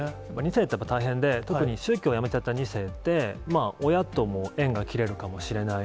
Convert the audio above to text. ２世ってやっぱり大変で、特に宗教をやめちゃった２世って、親とも縁が切れるかもしれない。